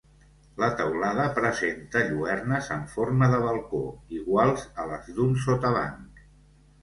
La teulada presenta lluernes en forma de balcó, iguals a les d'un sotabanc.